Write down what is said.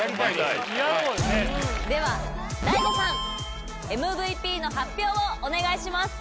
では大悟さんＭＶＰの発表をお願いします。